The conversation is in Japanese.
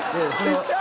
ちっちゃ！